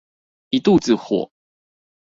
一肚子火